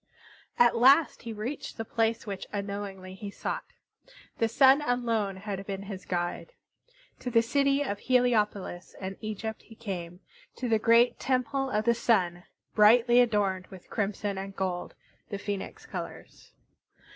At last he reached the place which unknowingly he sought. The Sun alone had been his guide. To the city of Heliopolis in Egypt he came; to the great Temple of the Sun, brightly adorned with crimson and gold, the Phoenix colors.